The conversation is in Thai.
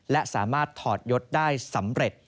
และสามารถถอดยศได้สำเร็จ